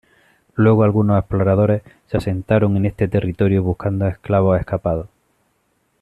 Luego algunos exploradores, se asentaron en este territorio buscando esclavos escapados.